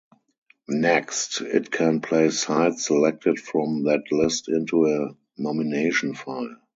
Next, it can place sites selected from that list into a Nomination File.